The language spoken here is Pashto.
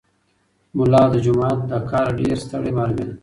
ملا د جومات له کاره ډېر ستړی معلومېده.